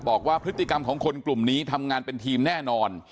บอกว่าพฤติกรรมของคนกลุ่มนี้ทำงานเป็นทีมแน่นอน